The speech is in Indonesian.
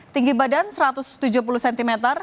tinggi badan satu ratus tujuh puluh cm